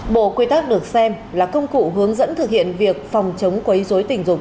bộ quy tắc được xem là công cụ hướng dẫn thực hiện việc phòng chống quấy dối tình dục